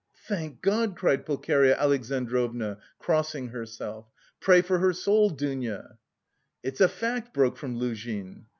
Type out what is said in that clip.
"Thank God!" cried Pulcheria Alexandrovna, crossing herself. "Pray for her soul, Dounia!" "It's a fact!" broke from Luzhin.